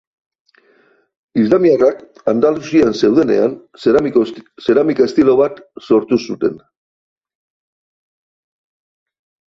Islamiarrak Andaluzian zeudenean, zeramika estilo bat sortu zuten